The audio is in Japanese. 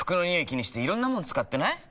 気にしていろんなもの使ってない？